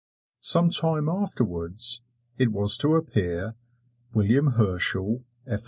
Some time afterwards, it was to appear, "William Herschel, F.